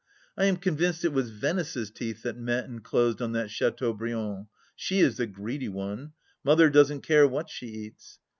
I am convinced it was Venice's teeth that met and closed on that Chateaubriand. She is the greedy one ; Mother doesn't care what she eats.